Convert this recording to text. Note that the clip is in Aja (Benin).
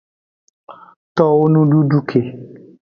Towo nududu ke.